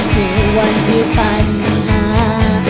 ในวันที่ปัญหา